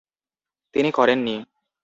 তিনি করেননি।